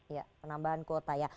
iya penambahan kuota ya